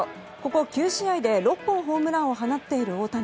ここ９試合で、６本ホームランを放っている大谷。